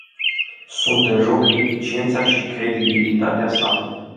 Sunt în joc eficiența și credibilitatea sa.